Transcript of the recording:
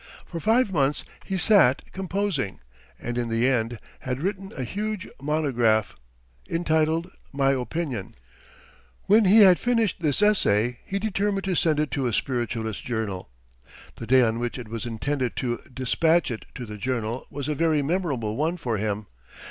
For five months he sat composing, and in the end had written a huge monograph, entitled: My Opinion. When he had finished this essay he determined to send it to a spiritualist journal. The day on which it was intended to despatch it to the journal was a very memorable one for him.